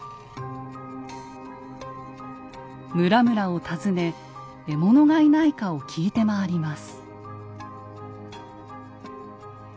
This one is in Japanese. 村々を訪ね獲物がいないかを聞いて回ります。